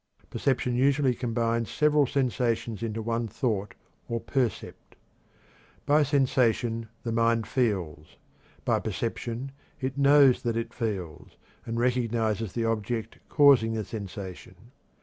Perception usually combines several sensations into one thought or percept. By sensation the mind feels; by perception it knows that it feels, and recognizes the object causing the sensation.